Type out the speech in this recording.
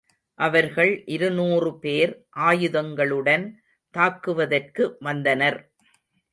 அவர்கள் இருநூறு பேர் ஆயுதங்களுடன் தாக்குவதற்கு வந்தனர்.